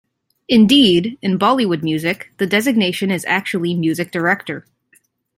Indeed, in Bollywood music, the designation is actually music director.